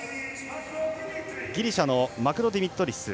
ギリシャのマクロディミトリス。